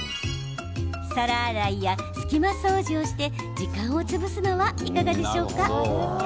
皿洗いや隙間掃除をして時間を潰すのはいかがでしょうか。